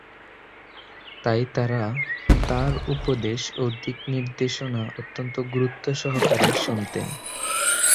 তাই তারা তাঁর উপদেশ ও দিক নির্দেশনা অত্যন্ত গুরুত্বসহকারে শুনতেন।